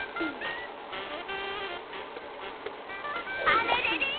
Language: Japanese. あれれれ？